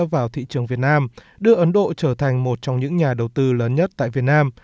vào thị trường việt nam đưa ấn độ trở thành một trong những nhà đầu tư lớn nhất tại việt nam